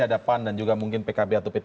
ada pan dan juga mungkin pkb atau p tiga